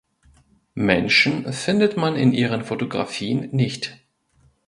Menschen findet man in ihren Fotografien nicht.